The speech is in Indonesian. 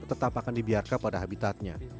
tetap akan dibiarkan pada habitatnya